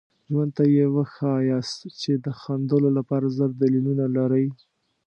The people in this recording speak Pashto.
ژوند ته یې وښایاست چې د خندلو لپاره زر دلیلونه لرئ.